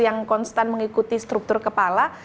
yang konstan mengikuti struktur kepala